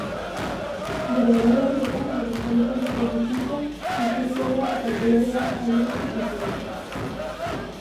Bere eleberrietan bere jaioterriko bizitza, ikuspegiak eta koloreak adierazi zituen.